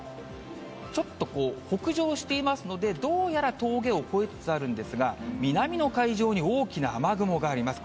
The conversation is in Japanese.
ちょっとこう、北上していますので、どうやら峠を越えつつあるんですが、南の海上に大きな雨雲があります。